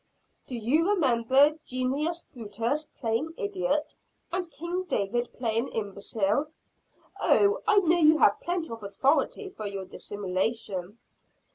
"Do you remember Junius Brutus playing idiot and King David playing imbecile?" "Oh, I know you have plenty of authority for your dissimulation."